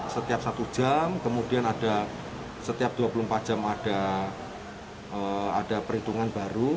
setiap satu jam kemudian ada setiap dua puluh empat jam ada perhitungan baru